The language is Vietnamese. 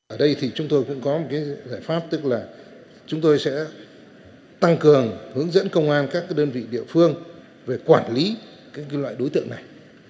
ở đây thì chúng tôi cũng có một giải pháp tức là chúng tôi sẽ tăng cường hướng dẫn công an các đơn vị địa phương về quản lý loại đối tượng này